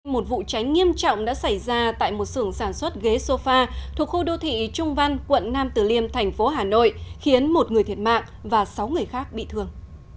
một vụ cháy nghiêm trọng đã xảy ra tại một sưởng sản xuất ghế sofa thuộc khu đô thị trung văn quận nam tử liêm thành phố hà nội khiến một người thiệt mạng và sáu người khác bị thương